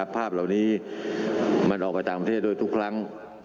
ภาพเหล่านี้มันออกไปต่างประเทศด้วยทุกครั้ง